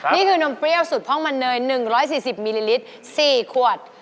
นมเปรี้ยวสุดพ่องมันเนย๑๔๐มิลลิลิตร๔ขวด